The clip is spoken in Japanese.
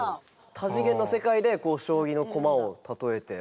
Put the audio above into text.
多次元の世界でこう将棋の駒を例えて。